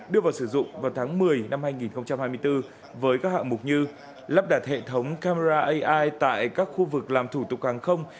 đưa vào sử dụng vào tháng một mươi năm hai nghìn hai mươi bốn với các hạng mục như lắp đặt hệ thống camera ai tại các khu vực làm thủ tục hàng không